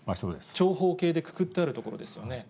長方形でくくってある所ですよね。